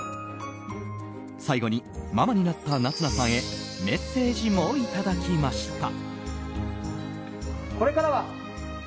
最後に、ママになった夏菜さんへメッセージもいただきました。